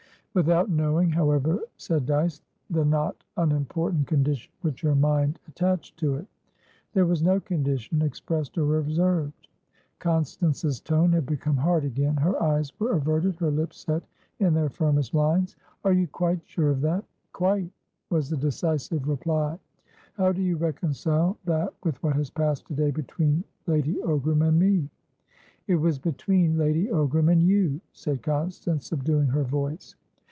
"Without knowing, however," said Dyce, "the not unimportant condition which her mind attached to it." "There was no condition, expressed or reserved." Constance's tone had become hard again. Her eyes were averted, her lips set in their firmest lines. "Are you quite sure of that?" "Quite," was the decisive reply. "How do you reconcile that with what has passed today between Lady Ogram and me?" "It was between Lady Ogram and you," said Constance, subduing her voice.